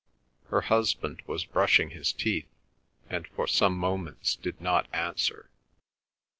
Her husband was brushing his teeth, and for some moments did not answer.